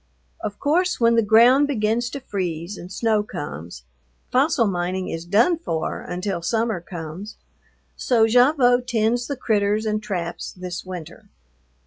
Of course, when the ground begins to freeze and snow comes, fossil mining is done for until summer comes, so Gavotte tends the critters and traps this winter.